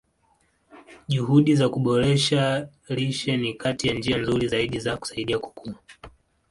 Juhudi za kuboresha lishe ni kati ya njia nzuri zaidi za kusaidia kukua.